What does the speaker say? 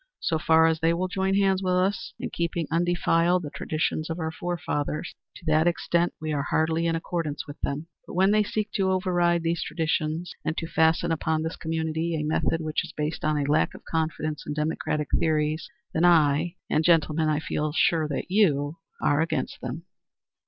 So far as they will join hands with us in keeping undefiled the traditions of our forefathers, to that extent we are heartily in accord with them, but when they seek to override those traditions and to fasten upon this community a method which is based on a lack of confidence in democratic theories, then I and gentlemen, I feel sure that you are against them."